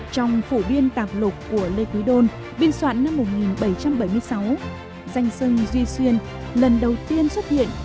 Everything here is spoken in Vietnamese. trong phủ biên tạp lục của lê quý đôn biên soạn năm một nghìn bảy trăm bảy mươi sáu danh sưng duy xuyên lần đầu tiên xuất hiện